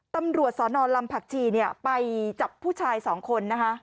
ตำรวจสนลำผักชีไปจับผู้ชายสองคนนะคะ